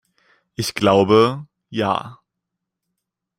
Ich glaube, ja.